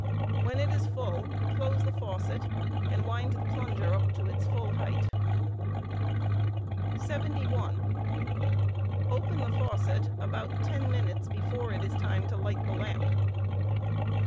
When it is full, close the faucet and wind the plunger up to ite full height voir * 71. Open the faucet about ten minutes before it is time to light the lamp.